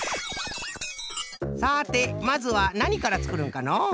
さてまずはなにからつくるんかの？